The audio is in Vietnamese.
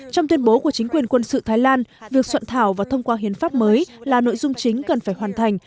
trong tuyên bố của chính quyền quân sự thái lan việc soạn thảo và thông qua hiến pháp mới là nội dung chính cần phải hoàn thành